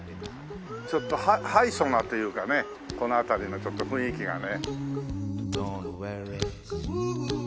ちょっとハイソなというかねこの辺りのちょっと雰囲気がね。